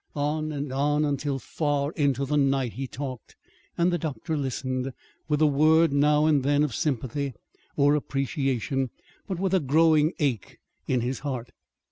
On and on until far into the night he talked, and the doctor listened, with a word now and then of sympathy or appreciation; but with a growing ache in his heart.